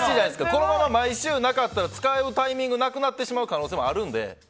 このまま毎週なかったら使うタイミングなくなってしまう可能性もあるんで。